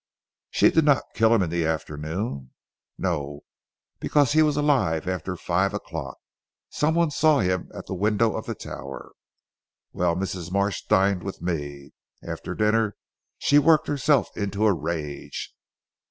"She did not kill him in the afternoon?" "No. Because he was alive after five o'clock. Someone saw him at the window of the tower. Well, Mrs. Marsh dined with me. After dinner she worked herself into a rage.